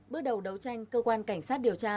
bước đầu đấu tranh cơ quan cảnh sát điều tra